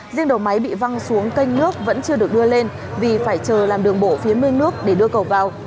riêng đầu máy bị văng xuống canh nước vẫn chưa được đưa lên vì phải chờ làm đường bộ phía mương nước để đưa cầu vào